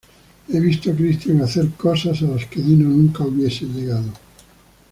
He visto a Christian hacer cosas a las que Dino nunca hubiese llegado.